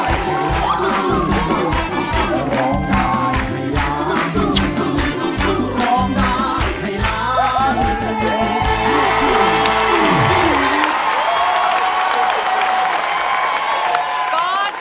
อย่างเป็นค่อนข้างให้ตาย